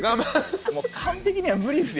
もう完璧には無理です